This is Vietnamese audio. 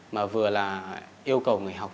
mà vừa là yêu cầu người học